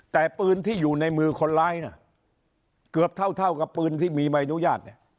แต่ปืนที่อยู่ในมือคนร้ายน่ะเกือบเท่ากับปืนที่มีใบอนุญาต